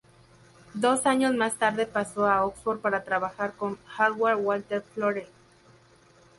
Dos años más tarde pasó a Oxford para trabajar con Howard Walter Florey.